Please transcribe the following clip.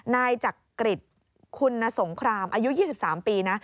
นายจักริตคุณสงครามอายุ๒๓ปีนะ